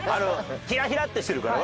ヒラヒラッてしてるから。